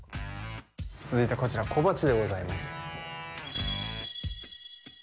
続いてこちら小鉢でございます。